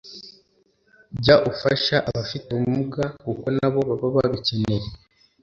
jya ufasha abafite ubumuga kuko nabo baba babikeneye